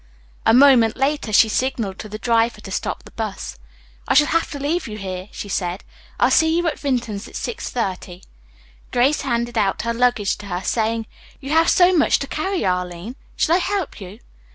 A moment later she signaled to the driver to stop the bus. "I shall have to leave you here," she said. "I'll see you at Vinton's at six thirty." Grace handed out her luggage to her, saying: "You have so much to carry, Arline. Shall I help you?"